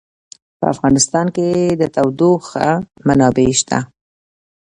په افغانستان کې د تودوخه منابع شته.